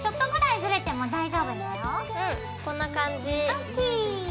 ＯＫ！